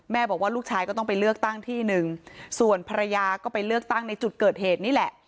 บอกว่าลูกชายก็ต้องไปเลือกตั้งที่หนึ่งส่วนภรรยาก็ไปเลือกตั้งในจุดเกิดเหตุนี่แหละ